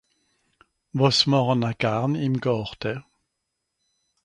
Wàs màche-n-r garn ìm Gàrte ?